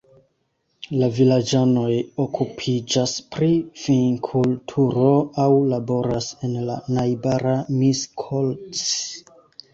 La vilaĝanoj okupiĝas pri vinkulturo aŭ laboras en la najbara Miskolc.